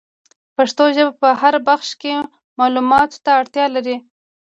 پښتو ژبه په هر بخش کي معلوماتو ته اړتیا لري.